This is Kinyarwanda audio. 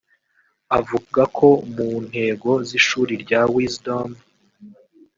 Avuga ko mu ntego z’ishuri rya Wisdom